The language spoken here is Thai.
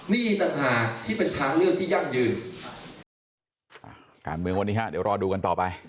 นี่นะคะที่เป็นทางเรื่องที่ยากยืน